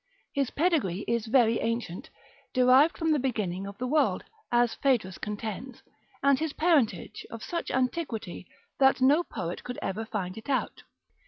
His pedigree is very ancient, derived from the beginning of the world, as Phaedrus contends, and his parentage of such antiquity, that no poet could ever find it out.